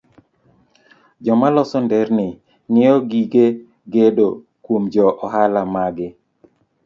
Joma loso nderni ng'iewo gige gedo kuom jo ohala maggi